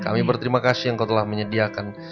kami berterima kasih yang kau telah menyediakan